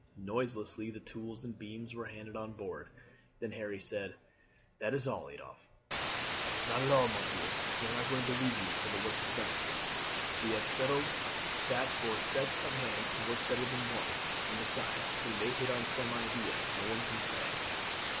Noiselessly the tools and beams were handed on board. Then Harry said: "That is all, Adolphe." "Not at all, monsieur. We are not going to leave you till the work is done. We have settled that four sets of hands can work better than one, and besides, we may hit on some idea. No one can say."